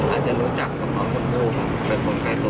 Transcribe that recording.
อาจจะรู้จักกับน้องคนผู้เป็นคนใกล้ตัวตลอดครับ